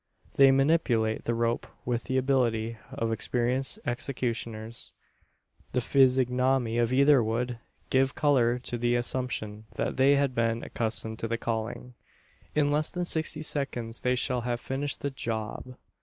They manipulate the rope with the ability of experienced executioners. The physiognomy of either would give colour to the assumption, that they had been accustomed to the calling. In less than sixty seconds they shall have finished the "job."